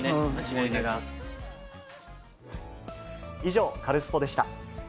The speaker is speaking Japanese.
以上、カルスポっ！でした。